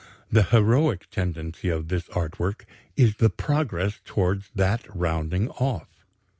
The heroic tendency of this art work is the progress towards that rounding off."